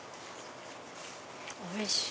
おいしい！